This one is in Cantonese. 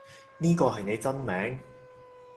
呢個係你真名？